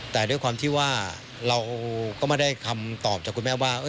แต่ด้วยความที่ว่าเราก็ไม่ได้คำตอบจากคุณแม่ว่า